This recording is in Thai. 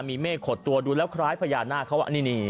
มีเมฆขดตัวดูแล้วคล้ายพญานาคเขาว่าอันนี้